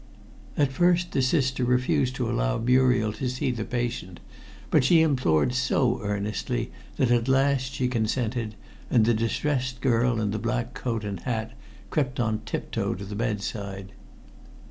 At first the sister refused to allow Muriel to see the patient, but she implored so earnestly that at last she consented, and the distressed girl in the black coat and hat crept on tiptoe to the bedside.